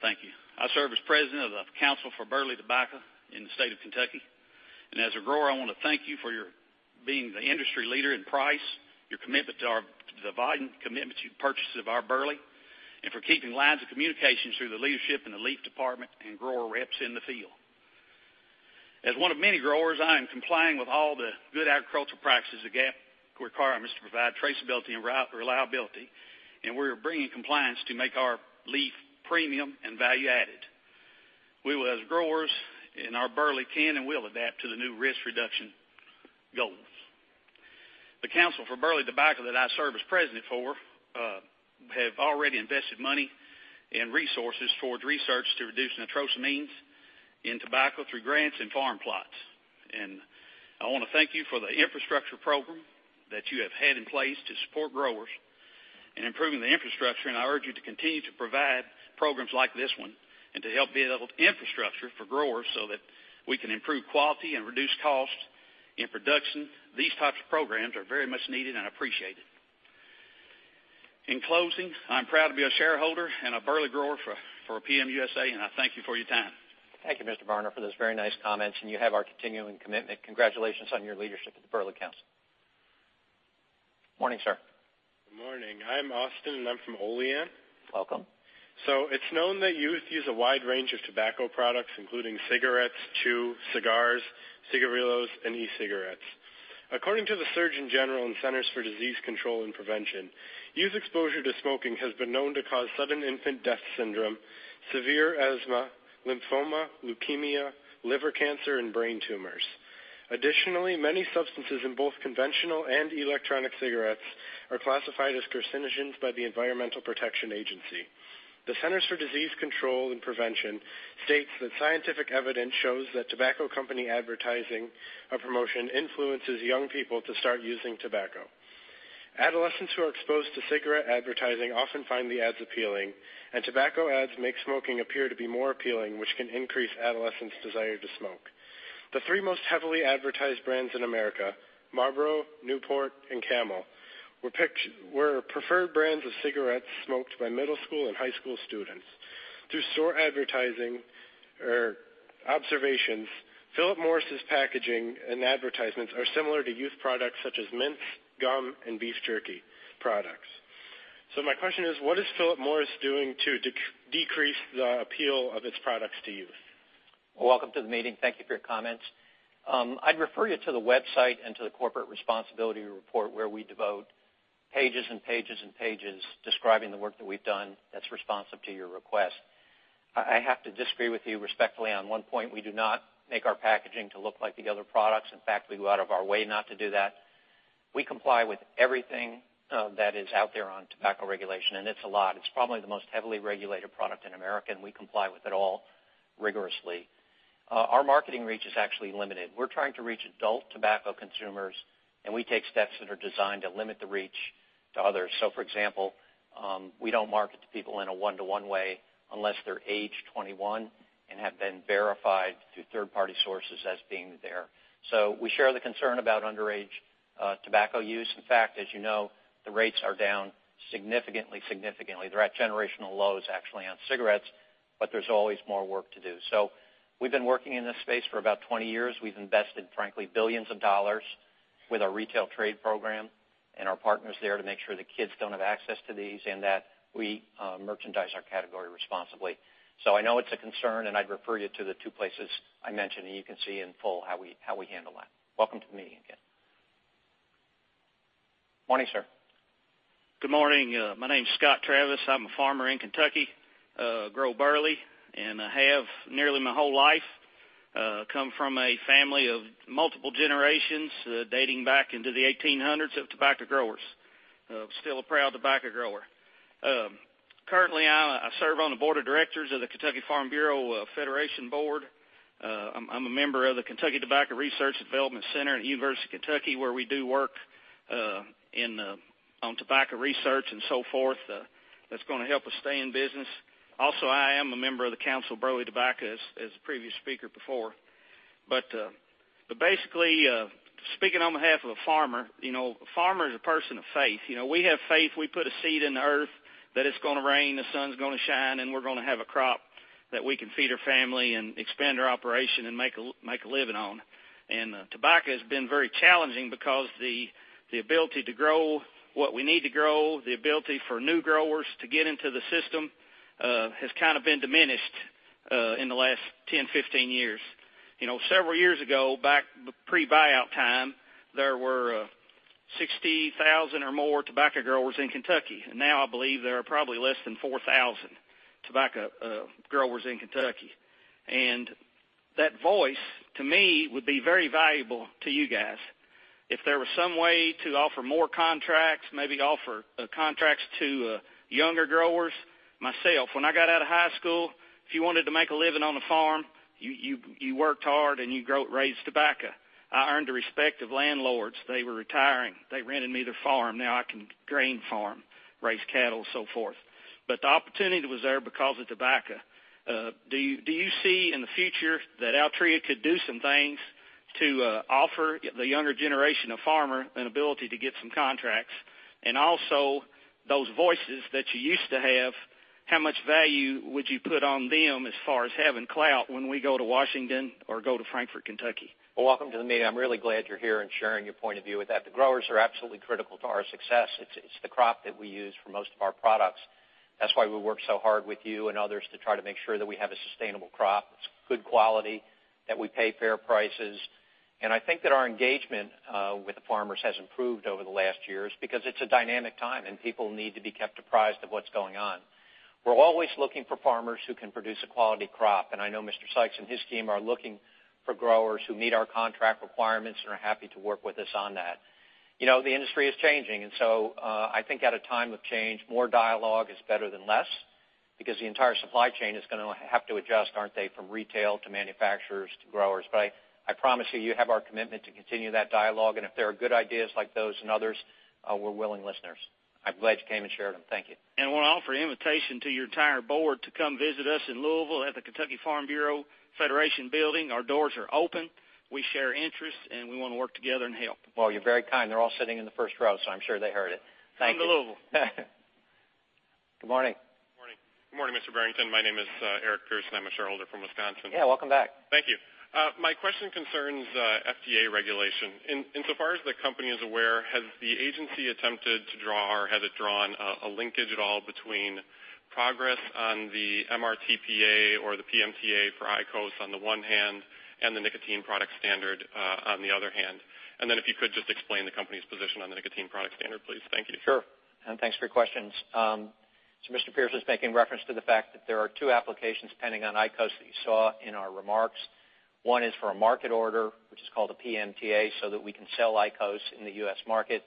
Thank you. I serve as president of the Council for Burley Tobacco in the state of Kentucky. As a grower, I want to thank you for being the industry leader in price, your commitment to our abiding commitment to purchases of our Burley, and for keeping lines of communication through the leadership in the leaf department and grower reps in the field. As one of many growers, I am complying with all the good agricultural practices that GAP requirements to provide traceability and reliability, and we're bringing compliance to make our leaf premium and value-added. We as growers in our Burley can and will adapt to the new risk reduction goals. The Council for Burley Tobacco that I serve as president for have already invested money and resources towards research to reduce nitrosamines in tobacco through grants and farm plots. I want to thank you for the infrastructure program that you have had in place to support growers in improving the infrastructure, and I urge you to continue to provide programs like this one and to help build infrastructure for growers so that we can improve quality and reduce costs in production. These types of programs are very much needed and appreciated. In closing, I'm proud to be a shareholder and a Burley grower for PM USA, and I thank you for your time. Thank you, Mr. Varner, for those very nice comments, and you have our continuing commitment. Congratulations on your leadership at the Burley Council. Morning, sir. Good morning. I'm Austin, and I'm from Olean. Welcome. It's known that youth use a wide range of tobacco products, including cigarettes, chew, cigars, cigarillos, and e-cigarettes. According to the Surgeon General and Centers for Disease Control and Prevention, youth exposure to smoking has been known to cause sudden infant death syndrome, severe asthma, lymphoma, leukemia, liver cancer, and brain tumors. Additionally, many substances in both conventional and electronic cigarettes are classified as carcinogens by the Environmental Protection Agency. The Centers for Disease Control and Prevention states that scientific evidence shows that tobacco company advertising or promotion influences young people to start using tobacco. Adolescents who are exposed to cigarette advertising often find the ads appealing, tobacco ads make smoking appear to be more appealing, which can increase adolescents' desire to smoke. The three most heavily advertised brands in America, Marlboro, Newport, and Camel, were preferred brands of cigarettes smoked by middle school and high school students. Through store advertising or observations, Philip Morris's packaging and advertisements are similar to youth products such as mints, gum, and beef jerky products. My question is, what is Philip Morris doing to decrease the appeal of its products to youth? Welcome to the meeting. Thank you for your comments. I'd refer you to the website and to the corporate responsibility report where we devote pages and pages and pages describing the work that we've done that's responsive to your request. I have to disagree with you respectfully on one point. We do not make our packaging to look like the other products. In fact, we go out of our way not to do that. We comply with everything that is out there on tobacco regulation. It's a lot. We comply with it all rigorously. Our marketing reach is actually limited. We're trying to reach adult tobacco consumers, we take steps that are designed to limit the reach to others. For example, we don't market to people in a one-to-one way unless they're age 21 and have been verified through third-party sources as being there. We share the concern about underage tobacco use. In fact, as you know, the rates are down significantly. They're at generational lows actually on cigarettes, but there's always more work to do. We've been working in this space for about 20 years. We've invested, frankly, billions of dollars with our retail trade program and our partners there to make sure that kids don't have access to these and that we merchandise our category responsibly. I know it's a concern, and I'd refer you to the two places I mentioned, and you can see in full how we handle that. Welcome to the meeting again. Morning, sir. Good morning. My name's Scott Travis. I'm a farmer in Kentucky. I grow Burley, and I have nearly my whole life. I come from a family of multiple generations, dating back into the 1800s of tobacco growers. I'm still a proud tobacco grower. Currently, I serve on the board of directors of the Kentucky Farm Bureau Federation Board. I'm a member of the Kentucky Tobacco Research and Development Center at University of Kentucky, where we do work on tobacco research and so forth. That's going to help us stay in business. Also, I am a member of the Council for Burley Tobacco as the previous speaker before. Basically, speaking on behalf of a farmer, a farmer is a person of faith. We have faith. We put a seed in the earth that it's going to rain, the sun's going to shine, and we're going to have a crop that we can feed our family and expand our operation and make a living on. Tobacco has been very challenging because the ability to grow what we need to grow, the ability for new growers to get into the system, has been diminished in the last 10, 15 years. Several years ago, back pre-buyout time, there were 60,000 or more tobacco growers in Kentucky. Now I believe there are probably less than 4,000 tobacco growers in Kentucky. That voice, to me, would be very valuable to you guys. If there was some way to offer more contracts, maybe offer contracts to younger growers. Myself, when I got out of high school, if you wanted to make a living on a farm, you worked hard and you raised tobacco. I earned the respect of landlords. They were retiring. They rented me their farm. Now I can grain farm, raise cattle, and so forth. But the opportunity was there because of tobacco. Do you see in the future that Altria could do some things to offer the younger generation of farmer an ability to get some contracts? Also those voices that you used to have, how much value would you put on them as far as having clout when we go to Washington or go to Frankfort, Kentucky? Welcome to the meeting. I'm really glad you're here and sharing your point of view with that. The growers are absolutely critical to our success. It's the crop that we use for most of our products. That's why we work so hard with you and others to try to make sure that we have a sustainable crop that's good quality, that we pay fair prices. I think that our engagement with the farmers has improved over the last years because it's a dynamic time, and people need to be kept apprised of what's going on. We're always looking for farmers who can produce a quality crop. I know Mr. Sykes and his team are looking for growers who meet our contract requirements and are happy to work with us on that. The industry is changing. I think at a time of change, more dialogue is better than less because the entire supply chain is going to have to adjust, aren't they, from retail to manufacturers to growers. I promise you have our commitment to continue that dialogue, and if there are good ideas like those and others, we're willing listeners. I'm glad you came and shared them. Thank you. I want to offer an invitation to your entire board to come visit us in Louisville at the Kentucky Farm Bureau Federation building. Our doors are open. We share interests, and we want to work together and help. Well, you're very kind. They're all sitting in the first row, so I'm sure they heard it. Thank you. Come to Louisville. Good morning. Good morning, Mr. Barrington. My name is Eric Pearson. I'm a shareholder from Wisconsin. Yeah, welcome back. Thank you. My question concerns FDA regulation. Insofar as the company is aware, has the agency attempted to draw or has it drawn a linkage at all between progress on the MRTP or the PMTA for IQOS on the one hand and the nicotine product standard on the other hand? Then if you could just explain the company's position on the nicotine product standard, please. Thank you. Sure. Thanks for your questions. Mr. Pearson was making reference to the fact that there are two applications pending on IQOS that you saw in our remarks. One is for a market order, which is called a PMTA, so that we can sell IQOS in the U.S. market.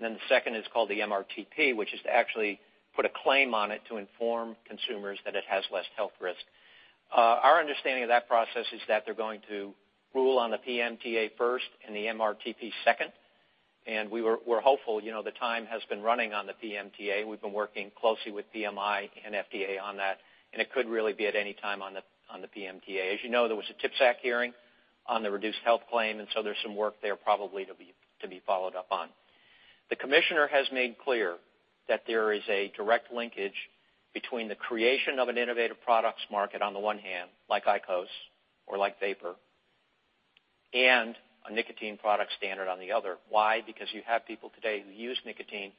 Then the second is called the MRTP, which is to actually put a claim on it to inform consumers that it has less health risk. Our understanding of that process is that they're going to rule on the PMTA first and the MRTP second. We're hopeful, the time has been running on the PMTA. We've been working closely with PMI and FDA on that, and it could really be at any time on the PMTA. As you know, there was a TPSAC hearing on the reduced health claim, so there's some work there probably to be followed up on. The commissioner has made clear that there is a direct linkage between the creation of an innovative products market on the one hand, like IQOS or like vapor, and a nicotine product standard on the other. Why? Because you have people today who use nicotine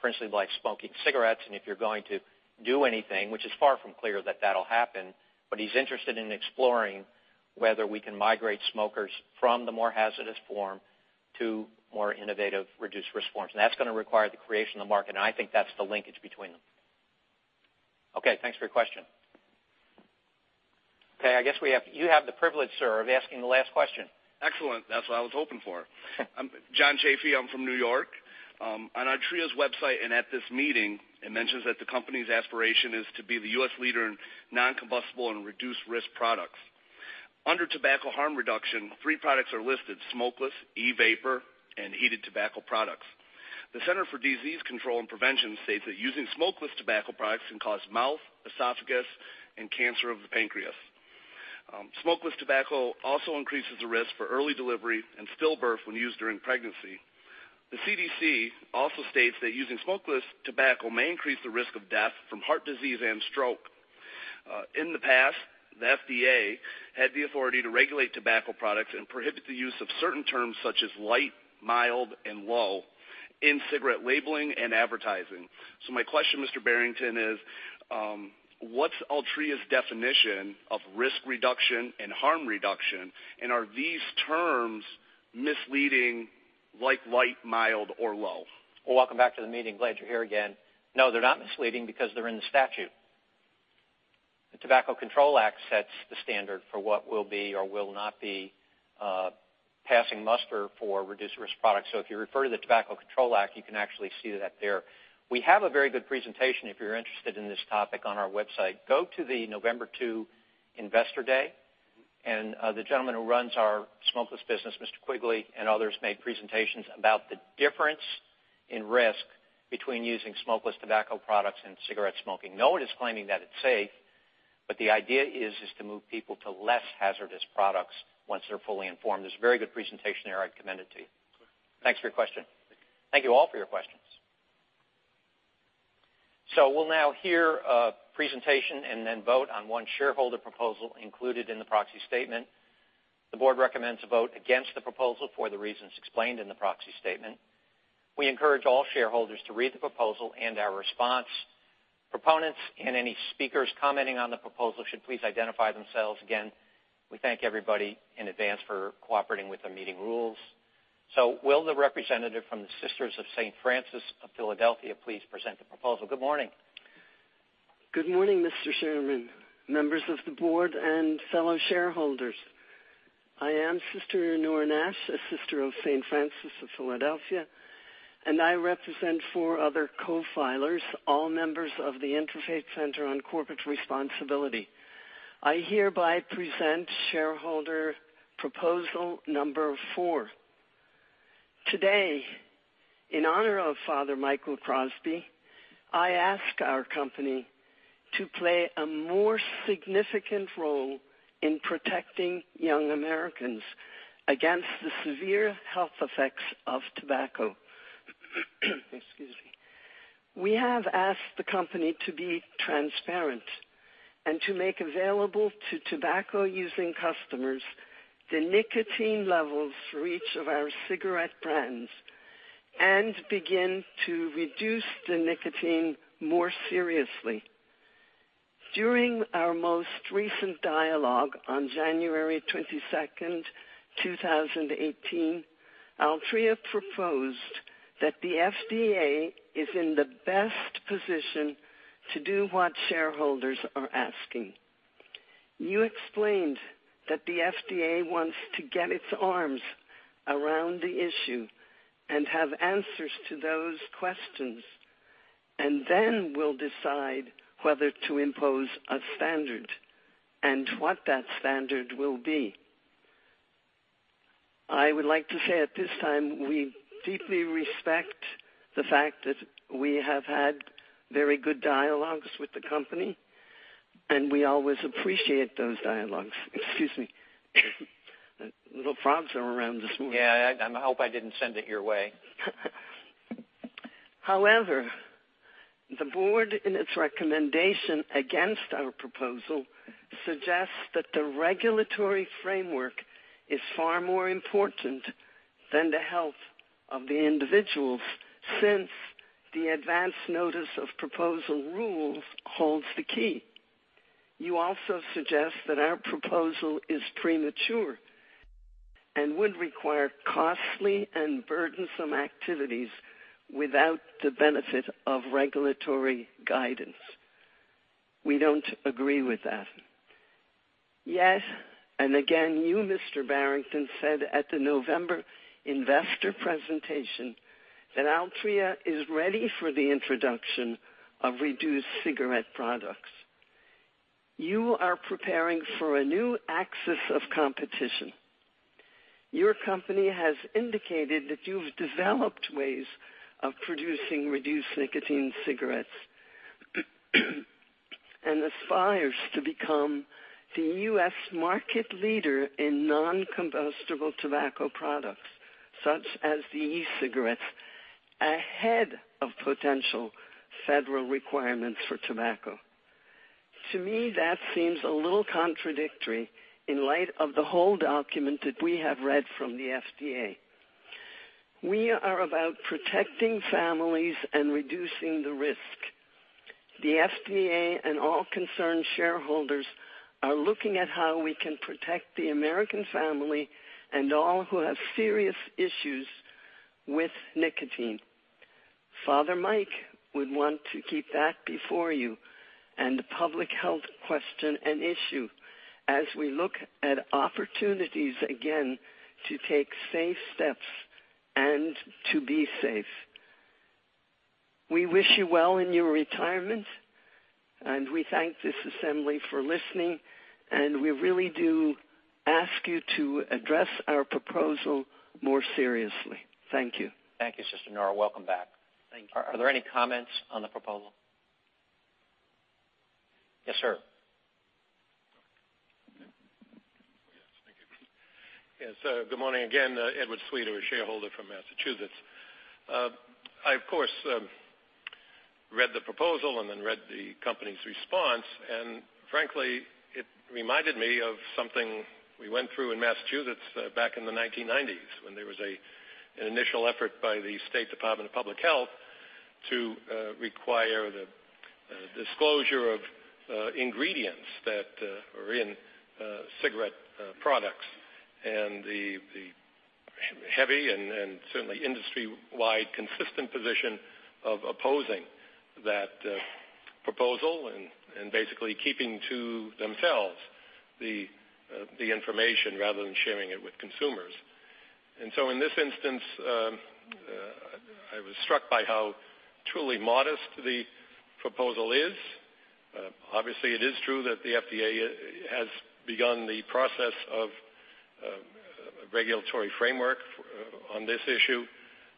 principally by smoking cigarettes, if you're going to do anything, which is far from clear that that'll happen, but he's interested in exploring whether we can migrate smokers from the more hazardous form to more innovative reduced risk forms. That's going to require the creation of the market, and I think that's the linkage between them. Okay. Thanks for your question. Okay, I guess you have the privilege, sir, of asking the last question. Excellent. That's what I was hoping for. I'm John Chaffee, I'm from N.Y. On altria.com and at this meeting, it mentions that the company's aspiration is to be the U.S. leader in non-combustible and reduced risk products. Under tobacco harm reduction, three products are listed, smokeless, e-vapor, and heated tobacco products. The Centers for Disease Control and Prevention states that using smokeless tobacco products can cause mouth, esophagus, and cancer of the pancreas. Smokeless tobacco also increases the risk for early delivery and stillbirth when used during pregnancy. The CDC also states that using smokeless tobacco may increase the risk of death from heart disease and stroke. In the past, the FDA had the authority to regulate tobacco products and prohibit the use of certain terms such as light, mild, and low in cigarette labeling and advertising. my question, Mr. Barrington, is what's Altria's definition of risk reduction and harm reduction, and are these terms misleading like light, mild, or low? Well, welcome back to the meeting. Glad you're here again. No, they're not misleading because they're in the statute. The Tobacco Control Act sets the standard for what will be or will not be passing muster for reduced risk products. If you refer to the Tobacco Control Act, you can actually see that there. We have a very good presentation, if you're interested in this topic, on our website. Go to the November 2 Investor Day, and the gentleman who runs our smokeless business, Mr. Quigley, and others made presentations about the difference in risk between using smokeless tobacco products and cigarette smoking. No one is claiming that it's safe, but the idea is to move people to less hazardous products once they're fully informed. There's a very good presentation there. I'd commend it to you. Okay. Thanks for your question. Thank you. Thank you all for your questions. We'll now hear a presentation and then vote on one shareholder proposal included in the proxy statement. The board recommends a vote against the proposal for the reasons explained in the proxy statement. We encourage all shareholders to read the proposal and our response. Proponents and any speakers commenting on the proposal should please identify themselves again. We thank everybody in advance for cooperating with the meeting rules. Will the representative from the Sisters of St. Francis of Philadelphia please present the proposal? Good morning. Good morning, Mr. Chairman, members of the board, and fellow shareholders. I am Sister Nora Nash, a Sister of St. Francis of Philadelphia, and I represent four other co-filers, all members of the Interfaith Center on Corporate Responsibility. I hereby present shareholder proposal number four. Today, in honor of Father Michael Crosby, I ask our company to play a more significant role in protecting young Americans against the severe health effects of tobacco. Excuse me. We have asked the company to be transparent and to make available to tobacco-using customers the nicotine levels for each of our cigarette brands and begin to reduce the nicotine more seriously. During our most recent dialogue on January 22, 2018, Altria proposed that the FDA is in the best position to do what shareholders are asking. You explained that the FDA wants to get its arms around the issue and then will decide whether to impose a standard and what that standard will be. I would like to say at this time, we deeply respect the fact that we have had very good dialogues with the company. We always appreciate those dialogues. Excuse me. A little frog's around this morning. Yeah, I hope I didn't send it your way. The board, in its recommendation against our proposal, suggests that the regulatory framework is far more important than the health of the individuals, since the advance notice of proposal rules holds the key. You also suggest that our proposal is premature and would require costly and burdensome activities without the benefit of regulatory guidance. We don't agree with that. You, Mr. Barrington, said at the November investor presentation that Altria is ready for the introduction of reduced cigarette products. You are preparing for a new axis of competition. Your company has indicated that you've developed ways of producing reduced nicotine cigarettes and aspires to become the U.S. market leader in non-combustible tobacco products, such as the e-cigarettes, ahead of potential federal requirements for tobacco. To me, that seems a little contradictory in light of the whole document that we have read from the FDA. We are about protecting families and reducing the risk. The FDA and all concerned shareholders are looking at how we can protect the American family and all who have serious issues with nicotine. Father Mike would want to keep that before you and the public health question an issue as we look at opportunities again to take safe steps and to be safe. We wish you well in your retirement. We thank this assembly for listening. We really do ask you to address our proposal more seriously. Thank you. Thank you, Sister Nora. Welcome back. Thank you. Are there any comments on the proposal? Yes, sir. Yes. Thank you. Yes. Good morning again. Edward Sweeter, a shareholder from Massachusetts. I, of course, read the proposal and then read the company's response, and frankly, it reminded me of something we went through in Massachusetts back in the 1990s when there was an initial effort by the Massachusetts Department of Public Health to require the disclosure of ingredients that are in cigarette products and the heavy and certainly industry-wide consistent position of opposing that proposal and basically keeping to themselves the information rather than sharing it with consumers. In this instance, I was struck by how truly modest the proposal is. It is true that the FDA has begun the process of a regulatory framework on this issue.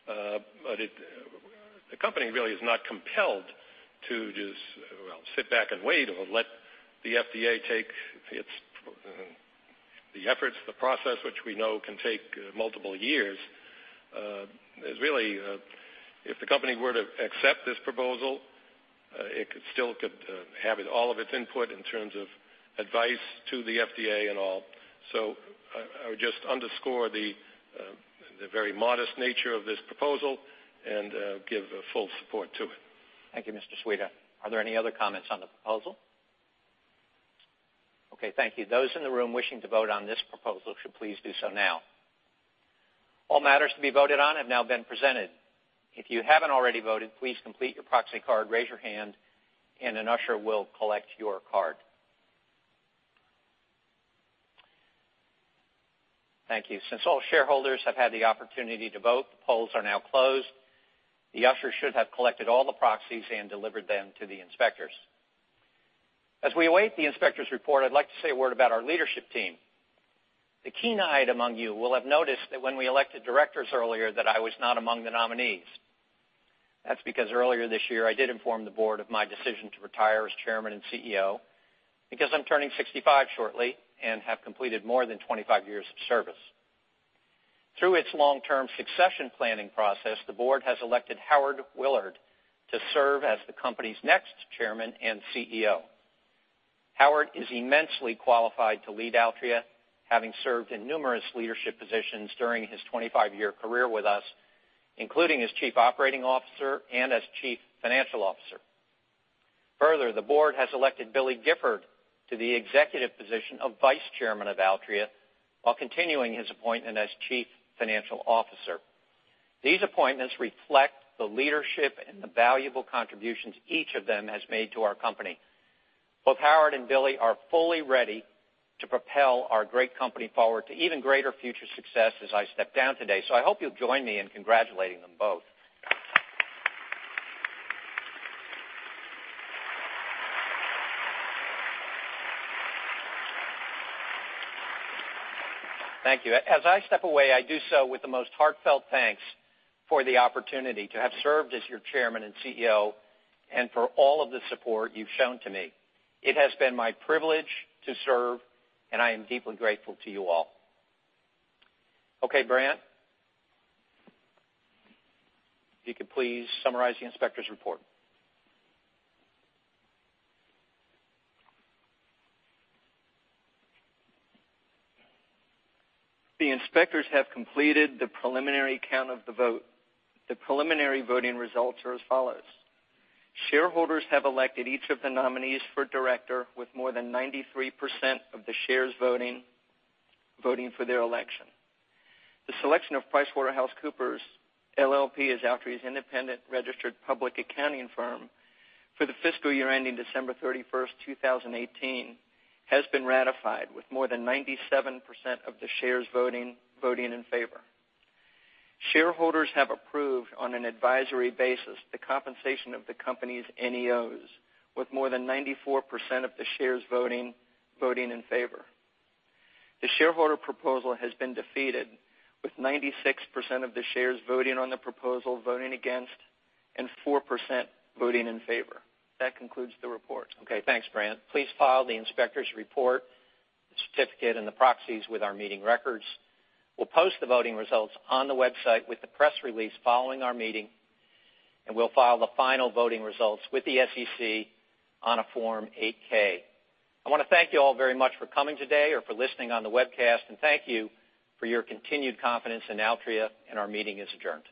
The company really is not compelled to just sit back and wait or let the FDA take the efforts, the process, which we know can take multiple years. Really, if the company were to accept this proposal, it still could have all of its input in terms of advice to the FDA and all. I would just underscore the very modest nature of this proposal and give full support to it. Thank you, Mr. Sweeter. Are there any other comments on the proposal? Thank you. Those in the room wishing to vote on this proposal should please do so now. All matters to be voted on have now been presented. If you haven't already voted, please complete your proxy card, raise your hand, and an usher will collect your card. Thank you. Since all shareholders have had the opportunity to vote, the polls are now closed. The usher should have collected all the proxies and delivered them to the inspectors. As we await the inspector's report, I'd like to say a word about our leadership team. The keen-eyed among you will have noticed that when we elected directors earlier, that I was not among the nominees. That's because earlier this year, I did inform the board of my decision to retire as chairman and CEO because I'm turning 65 shortly and have completed more than 25 years of service. Through its long-term succession planning process, the board has elected Howard Willard to serve as the company's next chairman and CEO. Howard is immensely qualified to lead Altria, having served in numerous leadership positions during his 25-year career with us, including as chief operating officer and as chief financial officer. The board has elected Billy Gifford to the executive position of vice chairman of Altria while continuing his appointment as chief financial officer. These appointments reflect the leadership and the valuable contributions each of them has made to our company. Both Howard and Billy are fully ready to propel our great company forward to even greater future success as I step down today. I hope you'll join me in congratulating them both. Thank you. As I step away, I do so with the most heartfelt thanks for the opportunity to have served as your chairman and CEO and for all of the support you've shown to me. It has been my privilege to serve, and I am deeply grateful to you all. Okay, Bryant. If you could please summarize the inspector's report. The inspectors have completed the preliminary count of the vote. The preliminary voting results are as follows. Shareholders have elected each of the nominees for director with more than 93% of the shares voting for their election. The selection of PricewaterhouseCoopers LLP as Altria's independent registered public accounting firm for the fiscal year ending December 31st, 2018, has been ratified with more than 97% of the shares voting in favor. Shareholders have approved on an advisory basis the compensation of the company's NEOs with more than 94% of the shares voting in favor. The shareholder proposal has been defeated with 96% of the shares voting on the proposal voting against and 4% voting in favor. That concludes the report. Okay. Thanks, Bryant. Please file the inspector's report, the certificate, and the proxies with our meeting records. We'll post the voting results on the website with the press release following our meeting. We'll file the final voting results with the SEC on a Form 8-K. I want to thank you all very much for coming today or for listening on the webcast, and thank you for your continued confidence in Altria. Our meeting is adjourned.